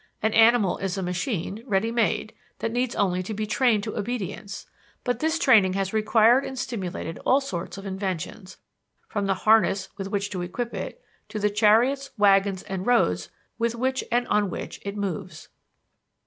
An animal is a machine, ready made, that needs only to be trained to obedience; but this training has required and stimulated all sorts of inventions, from the harness with which to equip it, to the chariots, wagons, and roads with which and on which it moves.